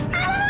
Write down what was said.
nggak ada tante